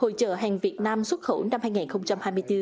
hội trợ hàng việt nam xuất khẩu năm hai nghìn hai mươi bốn